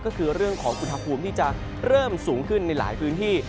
ก็คือเรื่องของอุณหภูมิที่จะเริ่มสูงขึ้นในหลายพื้นที่